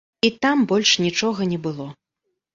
І там больш нічога не было.